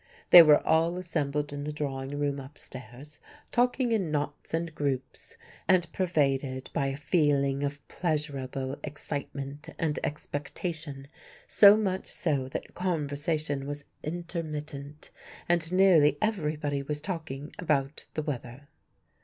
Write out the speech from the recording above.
They were all assembled in the drawing room upstairs, talking in knots and groups, and pervaded by a feeling of pleasurable excitement and expectation, so much so that conversation was intermittent, and nearly everybody was talking about the weather.